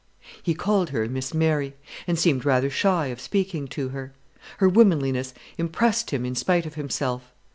He called her "Miss Mary," and seemed rather shy of speaking to her. Her womanliness impressed him in spite of himself.